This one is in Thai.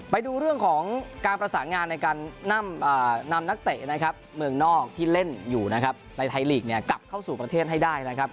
ไปดูเรื่องของการประสานงานในการนำนักเตะนะครับเมืองนอกที่เล่นอยู่นะครับในไทยลีกเนี่ยกลับเข้าสู่ประเทศให้ได้นะครับ